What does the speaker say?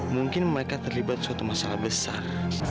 mungkin mereka terlibat suatu masalah besar